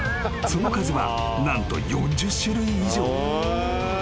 ［その数は何と４０種類以上］